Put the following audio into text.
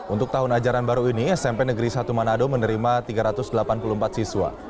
untuk tahun ajaran baru ini smp negeri satu manado menerima tiga ratus delapan puluh empat siswa